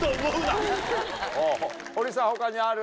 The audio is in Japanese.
堀さん他にある？